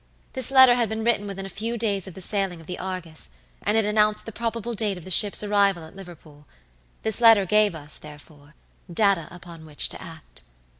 This letter had been written within a few days of the sailing of the Argus, and it announced the probable date of the ship's arrival at Liverpool. This letter gave us, therefore, data upon which to act.